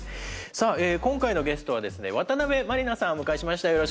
さあ今回のゲストはですね渡辺満里奈さんをお迎えしました。